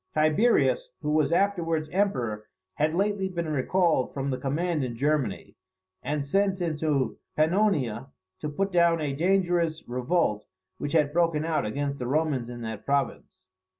Tiberius, who was afterwards emperor, had lately been recalled from the command in Germany, and sent into Pannonia to put down a dangerous revolt which had broken out against the Romans in that province.